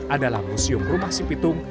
adalah museum rumah si pitung